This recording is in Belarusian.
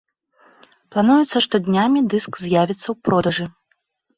Плануецца, што днямі дыск з'явіцца ў продажы.